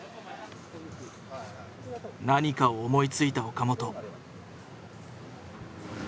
何かを思いついた岡本。